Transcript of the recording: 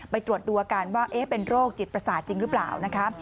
ตรวจดูอาการว่าเป็นโรคจิตประสาทจริงหรือเปล่านะคะ